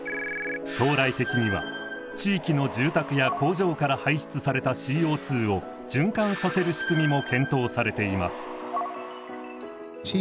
将来的には地域の住宅や工場から排出されたＣＯを循環させる仕組みも検討されています。